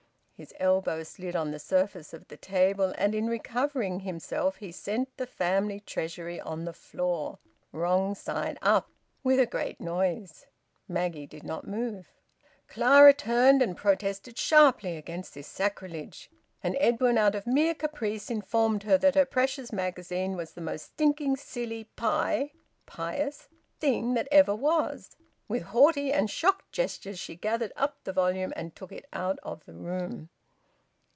His elbow slid on the surface of the table, and in recovering himself he sent "The Family Treasury" on the floor, wrong side up, with a great noise. Maggie did not move. Clara turned and protested sharply against this sacrilege, and Edwin, out of mere caprice, informed her that her precious magazine was the most stinking silly `pi' [pious] thing that ever was. With haughty and shocked gestures she gathered up the volume and took it out of the room.